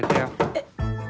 えっ？